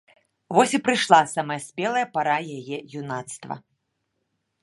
Вось і прыйшла самая спелая пара яе юнацтва!